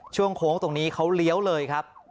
โค้งตรงนี้เขาเลี้ยวเลยครับ